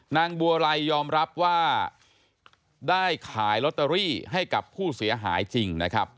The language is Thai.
นางบัวไลยอมรับว่าได้ขายลอตเตอรี่ให้กับผู้เสียหายจริงนะครับ